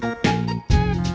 tapi speak tinggi aja